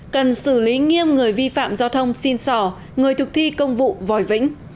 cần xử lý nghiêm người vi phạm giao thông xin sỏ người thực thi công vụ vòi vĩnh